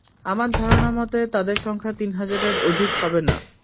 আমার ধারণা মতে তাদের সংখ্যা তিন হাজারের অধিক হবে না।